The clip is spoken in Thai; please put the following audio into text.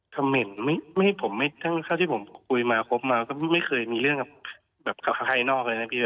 คำเมนต์ทั้งที่ผมคุยมาคบมาก็ไม่เคยมีเรื่องกับใครนอกเลยนะพี่